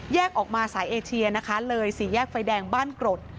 ออกมาสายเอเชียนะคะเลยสี่แยกไฟแดงบ้านกรด